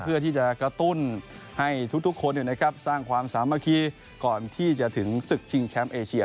เพื่อที่จะกระตุ้นให้ทุกคนสร้างความสามัคคีก่อนที่จะถึงศึกชิงแชมป์เอเชีย